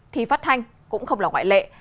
thì phát thanh cũng không là ngoại lệ